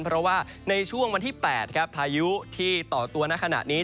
เพราะว่าในช่วงวันที่๘ครับพายุที่ต่อตัวในขณะนี้